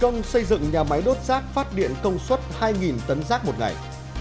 nhà máy đốt rác phát điện công suất hai tấn rác một ngày